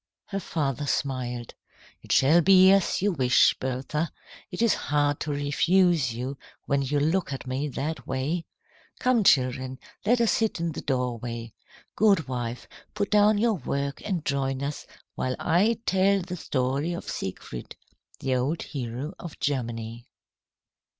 Her father smiled. "It shall be as you wish, Bertha. It is hard to refuse you when you look at me that way. Come, children, let us sit in the doorway. Goodwife, put down your work and join us while I tell the story of Siegfried, the old hero of Germany."